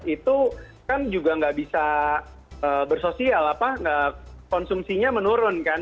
itu kan juga nggak bisa bersosial apa konsumsinya menurun kan